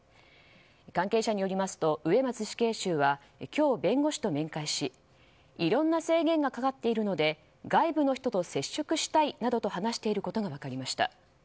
関係者によりますと植松死刑囚は今日、弁護士と面会しいろんな制限がかかっているので外部の人と接触したいなどと話していることが分かりました。